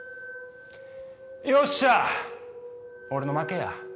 よっしゃ俺の負けや。